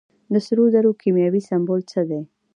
د سرو زرو کیمیاوي سمبول څه دی.